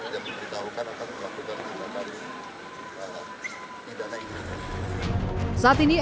dan memberitahukan akan melakukan pidana ini